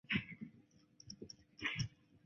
圣奥诺雷莱班人口变化图示